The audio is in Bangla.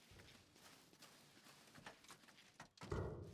হরিহর রায়ের পূর্বপুরুষের আদি বাড়ী ছিল পাশের গ্রামে যশড়া-বিষ্ণুপুর।